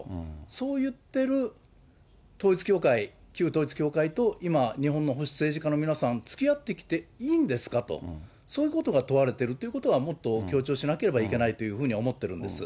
そういっている統一教会、旧統一教会と今、日本の保守政治家の皆さん、つきあってきていいんですかと、そういうことが問われているということはもっと強調しなければいけないというふうに思っているんです。